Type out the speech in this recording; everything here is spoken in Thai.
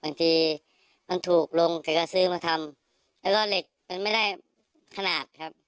บางทีมันถูกลงแกก็ซื้อมาทำแล้วก็เหล็กมันไม่ได้ขนาดครับ